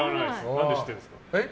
何で知ってるんですか。